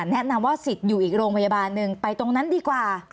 แนะนำว่าสิทธิ์อยู่อีกโรงพยาบาลหนึ่งไปตรงนั้นดีกว่า